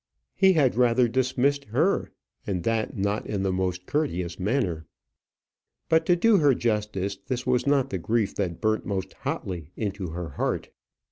He had rather dismissed her, and that not in the most courteous manner. But, to do her justice, this was not the grief that burnt most hotly into her heart.